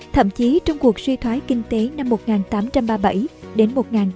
thậm chí trong cuộc suy thoái kinh tế năm một nghìn tám trăm ba mươi bảy đến một nghìn tám trăm bốn mươi bốn